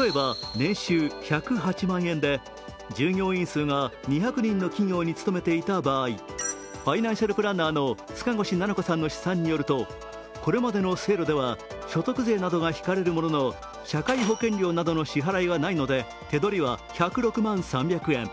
例えば、年収１０８円で従業員数が２００人の企業に勤めていた場合、ファイナンシャルプランナーの塚越菜々子さんの試算によるとこれまでの制度では所得税などが引かれるものの社会保険料などの支払いはないので手取りは１０６万３０００円。